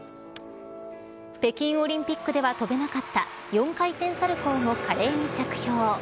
北京オリンピックでは跳べなかった４回転サルコウも華麗に着氷。